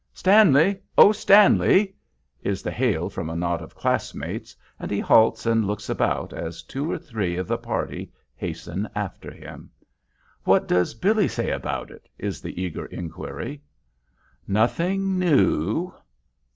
"Stanley! O Stanley!" is the hail from a knot of classmates, and he halts and looks about as two or three of the party hasten after him. "What does Billy say about it?" is the eager inquiry. "Nothing new."